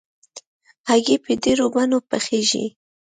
هګۍ په ډېرو بڼو پخېږي.